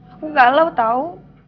aku galau tau